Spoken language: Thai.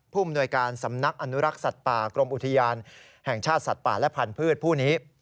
ภูมิหน่วยการสำนักอนุรักษ์สัตว์ป่ากรมอุทยานแห่งชาติสัตว์ป่าและพันธุ์ผู้นี้